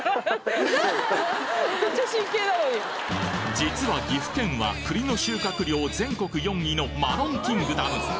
実は岐阜県は栗の収穫量全国４位のマロンキングダム！